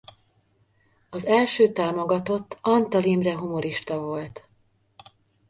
Az első támogatott Antal Imre humorista volt.